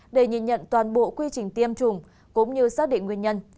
để nhìn nhận toàn bộ quy trình tiêm chủng cũng như xác định nguyên nhân